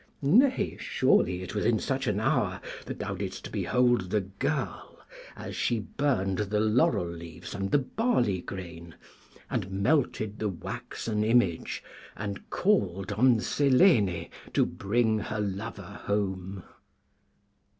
Nay, surely it was in such an hour that thou didst behold the girl as she burned the laurel leaves and the barley grain, and melted the waxen image, and called on Selene to bring her lover home.